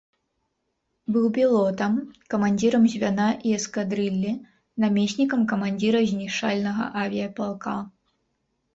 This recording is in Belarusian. Быў пілотам, камандзірам звяна і эскадрыллі, намеснікам камандзіра знішчальнага авіяпалка.